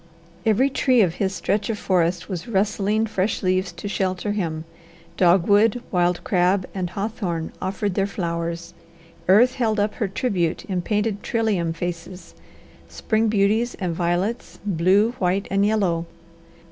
Every tree of his stretch of forest was rustling fresh leaves to shelter him; dogwood, wild crab, and hawthorn offered their flowers; earth held up her tribute in painted trillium faces, spring beauties, and violets, blue, white, and yellow.